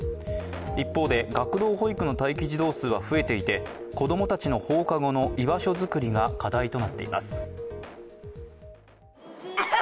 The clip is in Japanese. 一方で学童保育の待機児童数は増えていて子供たちの放課後の居場所作りが課題となっています。